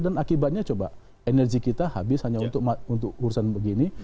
dan akibatnya coba energi kita habis hanya untuk urusan begini